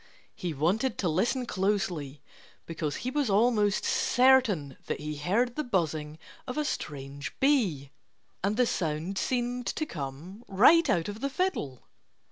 he wanted to listen closely because he was almost certain that he heard the buzzing of a strange bee. And the sound seemed to come right out of the fiddle!